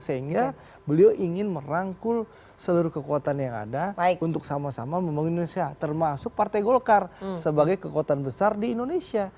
sehingga beliau ingin merangkul seluruh kekuatan yang ada untuk sama sama membangun indonesia termasuk partai golkar sebagai kekuatan besar di indonesia